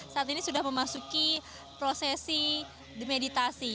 saat ini sudah memasuki prosesi demeditasi